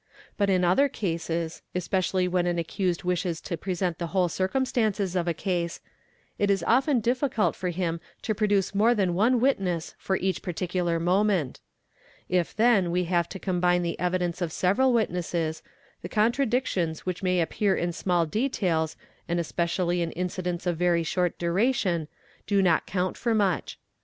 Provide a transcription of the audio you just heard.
But in other cases, especially when an accused wishes to present the whole circumstances of a case, it is often difficult for him to produce more than one witness for each particular moment. If then we have to combine the evidence of several witnesses, the contradic tions which may appear in small details and especially in incidents of very short duration, do not count for much.